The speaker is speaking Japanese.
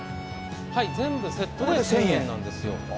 全部セットで１０００円なんですよ。